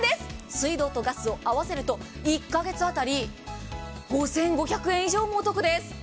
水道とガスを合わせると１か月当たり５５００円以上お得なんです。